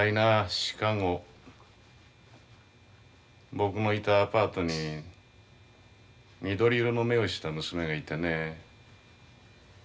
僕のいたアパートに緑色の目をした娘がいてね。